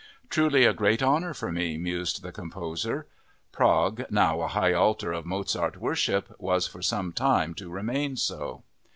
"Truly a great honor for me," mused the composer. Prague, now a high altar of Mozart worship, was for some time to remain so.